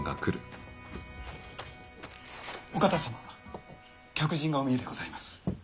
お方様客人がお見えでございます。